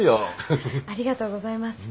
ありがとうございます。